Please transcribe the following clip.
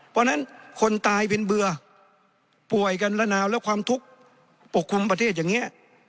เพราะฉะนั้นคนตายเป็นเบื่อป่วยกันระนาวและความทุกข์ปกคลุมประเทศอย่างนี้